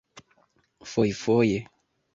fojfoje